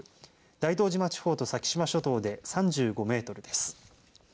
大東島地方と先島諸島で３５メートルです。